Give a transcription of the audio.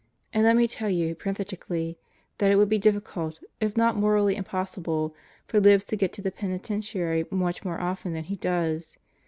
And let me tell you parenthetically that it would be difficult, if not morally impossible, for Libs to get to the Penitentiary much more often than he does.